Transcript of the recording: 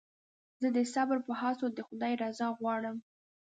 زه د صبر په هڅو د خدای رضا غواړم.